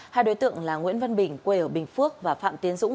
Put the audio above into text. hai đối tượng là nguyễn văn bình quê ở bình phước và phạm tiến dũng